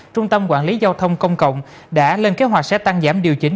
trung tâm quản lý giao thông công cộng đã lên kế hoạch sẽ tăng giảm điều chỉnh